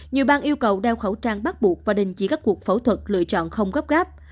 nhiều bang yêu cầu đeo khẩu trang bắt buộc và đình chỉ các cuộc phẫu thuật lựa chọn không gấp gáp